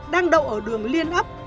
đang đậu ở đường liên ấp